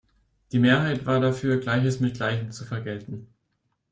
Die Mehrheit war dafür, Gleiches mit Gleichem zu vergelten.